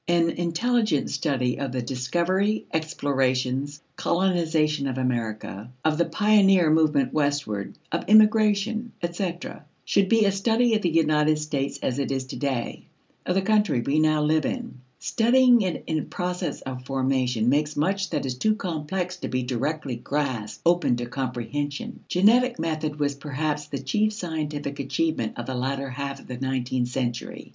An intelligent study of the discovery, explorations, colonization of America, of the pioneer movement westward, of immigration, etc., should be a study of the United States as it is to day: of the country we now live in. Studying it in process of formation makes much that is too complex to be directly grasped open to comprehension. Genetic method was perhaps the chief scientific achievement of the latter half of the nineteenth century.